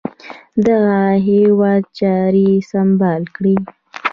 دغه هیواد چاري سمبال کړي.